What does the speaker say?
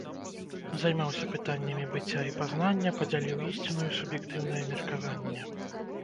Займаўся пытаннямі быцця і пазнання, падзяліў ісціну і суб'ектыўнае меркаванне.